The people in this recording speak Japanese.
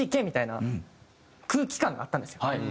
みたいな空気感があったんですよ。